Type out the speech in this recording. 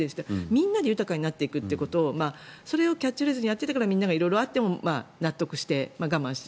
みんなで豊かにしていくということをそれをキャッチフレーズにやっているからみんなが色々あっても納得して、我慢して。